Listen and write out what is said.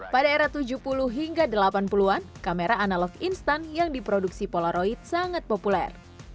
pada era tujuh puluh hingga delapan puluh an kamera analog instan yang diproduksi polaroid sangat populer